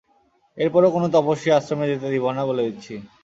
এরপরেও কোন তপস্বী আশ্রমে যেতে দিবো না বলে দিচ্ছি!